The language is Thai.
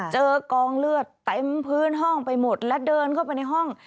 เจอกองเลือดเต็มพื้นห้องไปหมดและเดินเข้าไปในห้อง